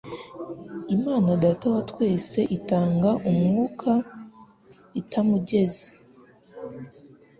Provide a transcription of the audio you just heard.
«Imana Data wa twese itanga Umwuka itamugeze.»